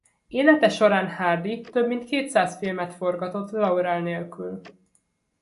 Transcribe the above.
Élete során Hardy több mint kétszáz filmet forgatott Laurel nélkül.